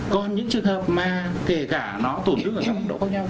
còn những trường hợp mà kể cả nó tổn thức ở trong lúc đó không nhau